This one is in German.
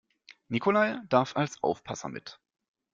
Nikolai darf als Aufpasser mit.